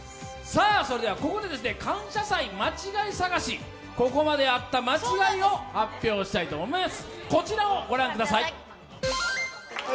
ここで感謝祭間違い探し、ここまであった間違いを発表したいと思います。